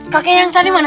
kakeknya di mana